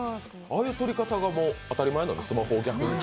ああいう撮り方が当たり前なんですか、スマホを逆に。